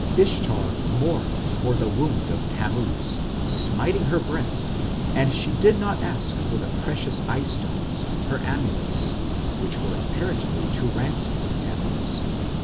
Ishtar mourns for "the wound of Tammuz", smiting her breast, and she did not ask for "the precious eye stones, her amulets", which were apparently to ransom Tammuz.